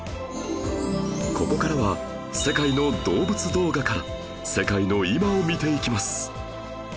ここからは世界の動物動画から世界の今を見ていきます